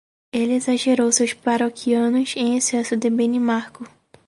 Ele exagerou seus paroquianos em excesso de Benimarco.